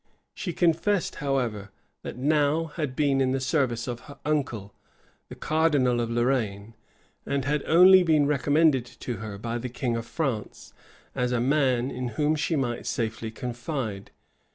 She confessed, however, that Nau had been in the service of her uncle, the cardinal of Lorraine, and had been recommended to her by the king of France, as a man in whom she might safely confide.